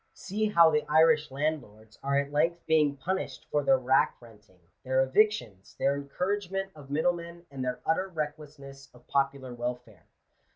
See how the Irish landlords are at length being punished for their rack renting, their evictions, their encouragement of middlemen, and their utter recklessness of popular welfare.